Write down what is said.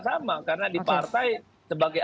sama karena di partai sebagai